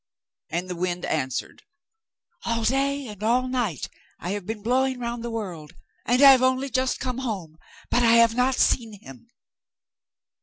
And the wind answered: 'All day and all night I have been blowing round the world, and I have only just come home; but I have not seen him.